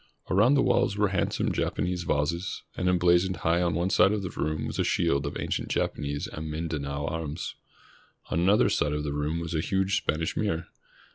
Around the walls were handsome Japanese vases, and emblazoned high on one side of the room was a shield of ancient Japanese and Mindanao arms. On another side of the room was a huge Spanish mirror.